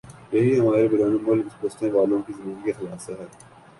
یہی ہماری بیرون ملک بسنے والوں کی زندگی کا خلاصہ ہے